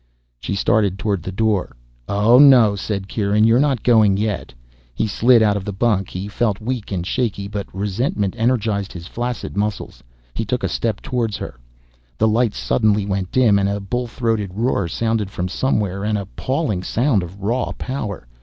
She started toward the door. "Oh, no," said Kieran. "You're not going yet." He slid out of the bunk. He felt weak and shaky but resentment energized his flaccid muscles. He took a step toward her. The lights suddenly went dim, and a bull throated roar sounded from somewhere, an appalling sound of raw power.